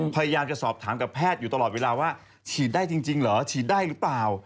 พยายามจะสอบถามกับแพทย์อยู่ตลอดเวลาว่าฉีดได้จริงเหรอฉีดได้หรือเปล่า